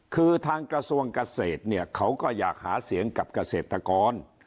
คือทางกระทรวงเกษตรเนี่ยเขาก็อยากหาเสียงกับเกษตรกร